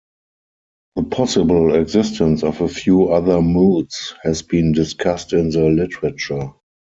The possible existence of a few other moods has been discussed in the literature.